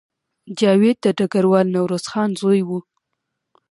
جاوید د ډګروال نوروز خان زوی و